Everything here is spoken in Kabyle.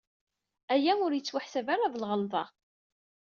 Aya ur yettwaḥsab ara d lɣelḍa.